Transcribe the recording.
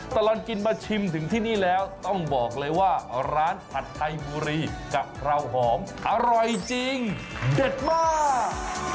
ตลอดกินมาชิมถึงที่นี่แล้วต้องบอกเลยว่าร้านผัดไทยบุรีกะเพราหอมอร่อยจริงเด็ดมาก